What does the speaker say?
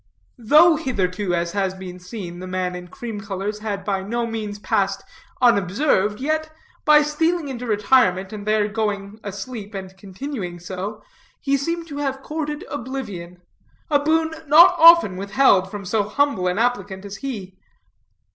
Though hitherto, as has been seen, the man in cream colors had by no means passed unobserved, yet by stealing into retirement, and there going asleep and continuing so, he seemed to have courted oblivion, a boon not often withheld from so humble an applicant as he.